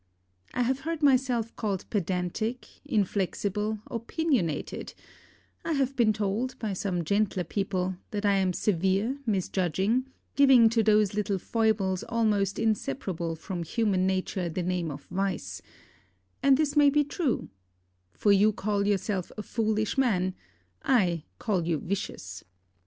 I have heard myself called pedantic, inflexible, opinionated; I have been told, by some gentler people, that I am severe, misjudging, giving to those little foibles almost inseparable from human nature the name of vice, and this may be true; for you call yourself a foolish man I call you vicious.